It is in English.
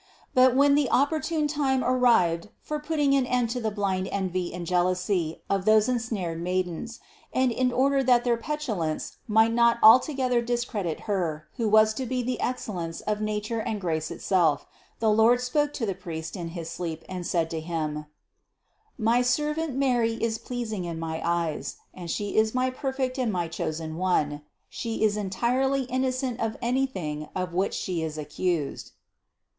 But when the opportune time arrived for putting an end to the blind envy and jealousy of those ensnared maidens, and in order that their petulance might not al together discredit Her who was to be the excellence of nature and grace itself, the Lord spoke to the priest in his sleep and said to Him: "My servant Mary is pleasing in my eyes, and She is my perfect and my chosen One: She is entirely innocent of anything of which She is accused."